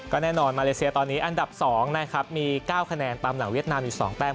แน่นอนมาเลเซียตอนนี้อันดับ๒นะครับมี๙คะแนนตามหลังเวียดนามอยู่๒แต้ม